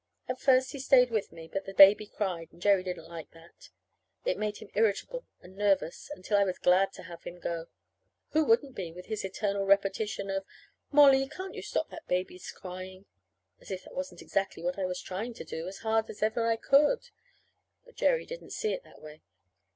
At first he stayed with me; but the baby cried, and Jerry didn't like that. It made him irritable and nervous, until I was glad to have him go. (Who wouldn't be, with his eternal repetition of "Mollie, can't you stop that baby's crying?" As if that wasn't exactly what I was trying to do, as hard as ever I could!) But Jerry didn't see it that way.